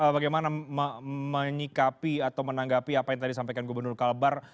bagaimana menyikapi atau menanggapi apa yang tadi sampaikan gubernur kalbar